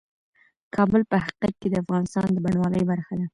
کابل په حقیقت کې د افغانستان د بڼوالۍ برخه ده.